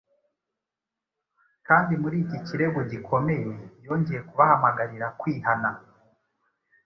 kandi muri iki kirego gikomeye yongeye kubahamagarira kwihana.